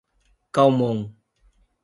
Calmon